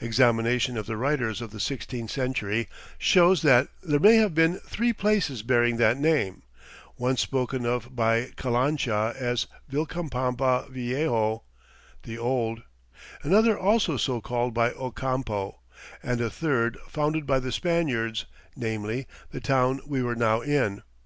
Examination of the writers of the sixteenth century shows that there may have been three places bearing that name; one spoken of by Calancha as Vilcabamba Viejo ("the old"), another also so called by Ocampo, and a third founded by the Spaniards, namely, the town we were now in.